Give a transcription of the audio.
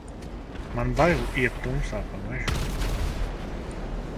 Man bail iet tumsā pa mežu!